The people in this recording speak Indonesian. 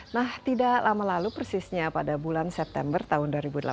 nah tidak lama lalu persisnya pada bulan september tahun dua ribu delapan belas